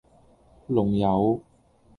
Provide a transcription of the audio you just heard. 龍友